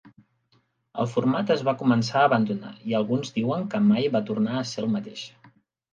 El format es va començar a abandonar i alguns diuen que mai va tornar a ser el mateix.